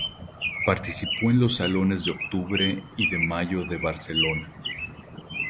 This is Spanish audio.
Participó en los salones de Octubre y de Mayo de Barcelona.